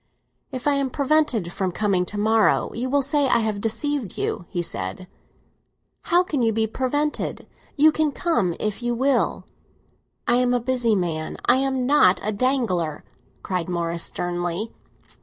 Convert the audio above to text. "If I am prevented from coming to morrow, you will say I have deceived you!" he said. "How can you be prevented? You can come if you will." "I am a busy man—I am not a dangler!" cried Morris sternly.